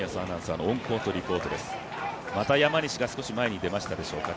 また山西が少し前に出ましたでしょうか。